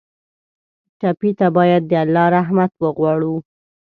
ټپي ته باید د الله رحمت وغواړو.